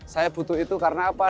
saya butuh itu karena apa